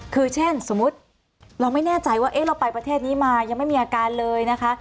คือเช่นสมมุติเราไม่แน่ใจว่าเราไปประเทศนี้มายังไม่มีอาการเลยนะคะ